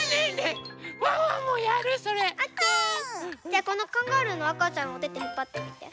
じゃあこのカンガルーのあかちゃんをおててひっぱってみて。